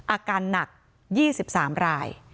อาการหนัก๒๓ราย